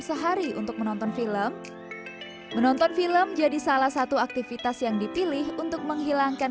sehari untuk menonton film menonton film jadi salah satu aktivitas yang dipilih untuk menghilangkan